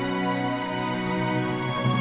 sekarang kamu puas